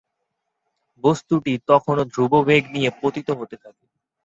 বস্তুটি তখন ধ্রুব বেগ নিয়ে পতিত হতে থাকে।